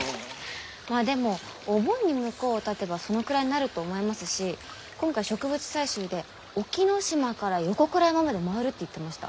まあでもお盆に向こうをたてばそのくらいになると思いますし今回植物採集で沖の島から横倉山まで回るって言ってました。